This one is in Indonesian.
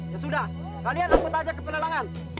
ya sudah kalian leput aja ke peralangan